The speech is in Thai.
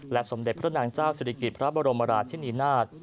สมเด็จพระนางเจ้าศิริกิจพระบรมราชินีนาฏ